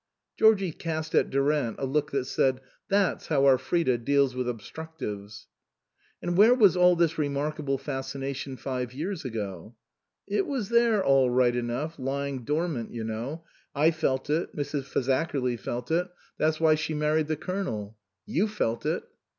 Georgie cast at Durant a look that said, " That's how our Frida deals with obstructives!" " And where was all this remarkable fascina tion five years ago ?" "It was there all right enough, lying dormant, you know. I felt it. Mrs. Fazakerly felt it 166 OUTWARD BOUND that's why she married the Colonel. You felt it."